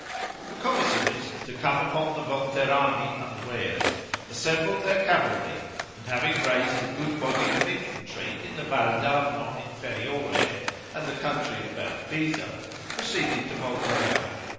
The commissaries, to come upon the Volterrani unawares, assembled their cavalry, and having raised a good body of infantry in the Val d'Arno Inferiore, and the country about Pisa, proceeded to Volterra.